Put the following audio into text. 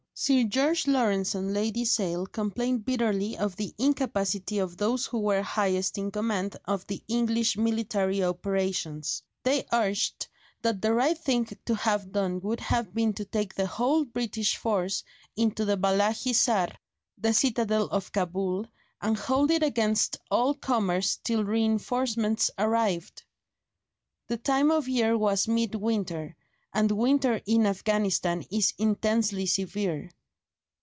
Sir George Lawrence and Lady Sale complain bitterly of the incapacity of those who were highest in command of the English military operations; they urged that the right thing to have done would have been to take the whole British force into the Bala Hissar, the citadel of Cabul, and hold it against all comers till reinforcements arrived. The time of year was mid winter, and winter in Afghanistan is intensely severe.